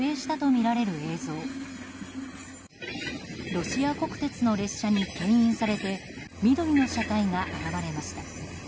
ロシア国鉄の列車にけん引されて緑の車体が現れました。